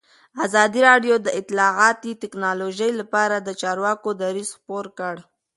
ازادي راډیو د اطلاعاتی تکنالوژي لپاره د چارواکو دریځ خپور کړی.